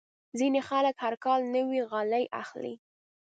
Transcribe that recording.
ځینې خلک هر کال نوې غالۍ اخلي.